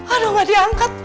aduh gak diangkat